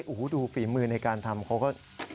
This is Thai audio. โอ้โหดูฝีมือในการทำเขาก็